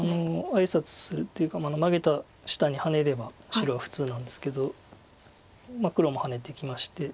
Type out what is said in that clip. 挨拶するっていうかマゲた下にハネれば白は普通なんですけど黒もハネてきまして。